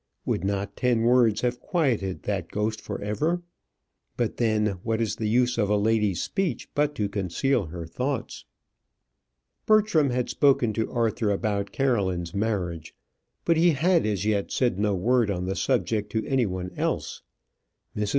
Would not ten words have quieted that ghost for ever? But then, what is the use of a lady's speech but to conceal her thoughts? Bertram had spoken to Arthur about Caroline's marriage, but he had as yet said no word on the subject to any one else. Mrs.